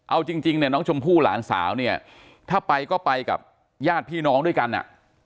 เอาจริงเนี่ยน้องชมพู่หลานสาวเนี่ยถ้าไปก็ไปกับญาติพี่น้องด้วยกันอ่ะ